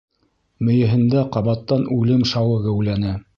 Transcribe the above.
Мейеһендә ҡабаттан үлем шауы геүләне.